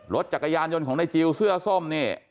รถจักรยานยนต์ของในจิลเสื้อส้มนี่